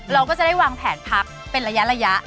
เราก็จะได้วางแผนพักเป็นระยะ